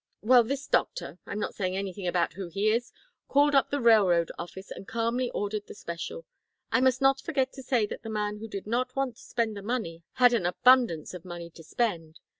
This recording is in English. Well, this doctor I'm not saying anything about who he is called up the railroad office and calmly ordered the special. I must not forget to say that the man who did not want to spend the money had an abundance of money to spend.